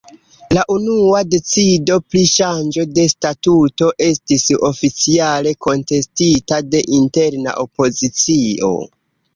La unua decido pri ŝanĝo de statuto estis oficiale kontestita de interna opozicio.